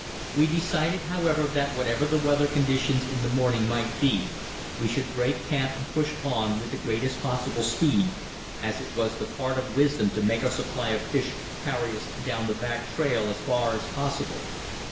We decided, however, that whatever the weather conditions in the morning might be, we should break camp and push on with the greatest possible speed, as it was the part of wisdom to make our supply of fish carry us down the back trail as far as possible.